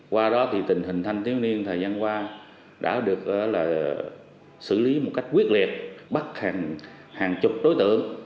qua đó thì tình hình thanh thiếu niên thời gian qua đã được xử lý một cách quyết liệt bắt hàng chục đối tượng